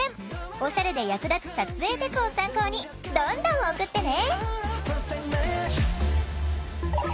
オシャレで役立つ撮影テク」を参考にどんどん送ってね！